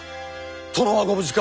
殿はご無事か。